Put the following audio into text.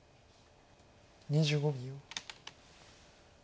２５秒。